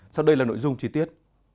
sau đây là nội dung chi tiết